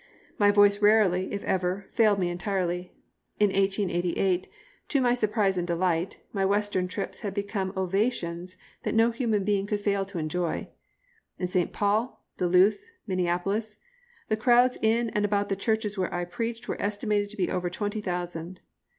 My voice rarely, if ever, failed me entirely. In 1888, to my surprise and delight, my western trips had become ovations that no human being could fail to enjoy. In St. Paul, Duluth, Minneapolis, the crowds in and about the churches where I preached were estimated to be over twenty thousand.